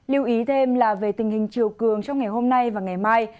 lưu ý thêm là về tình hình chiều cường trong ngày hôm nay và ngày mai